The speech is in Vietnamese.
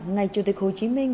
ngày chủ tịch hồ chí minh